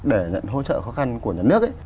để nhận hỗ trợ khó khăn của nhà nước